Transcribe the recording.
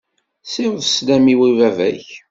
Siweḍ sslam-iw i baba-k.